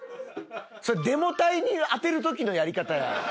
それデモ隊に当てる時のやり方や！